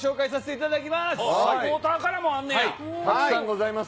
たくさんございます。